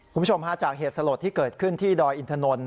คุณผู้ชมฮาจากเหตุสลดที่เกิดขึ้นที่ดอยอินทนนท